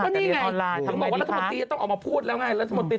ก็นี่ไงทำไมดิคะ